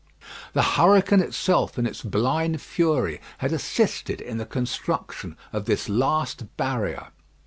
The hurricane itself, in its blind fury, had assisted in the construction of this last barrier.